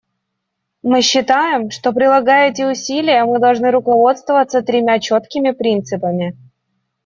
Мы считаем, что, прилагая эти усилия, мы должны руководствоваться тремя четкими принципами.